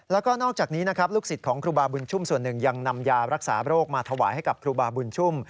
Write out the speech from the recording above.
แล้วก็นอกจากนี้นะครับลูกศิษย์ของครูบาบุญชุ่มส่วนหนึ่งยังนำยารักษาโรคมาถวายให้กับครูบาบุญชุ่ม